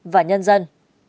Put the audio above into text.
và nhân dân